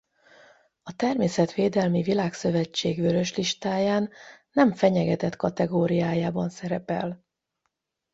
A Természetvédelmi Világszövetség Vörös listáján nem fenyegetett kategóriájában szerepel.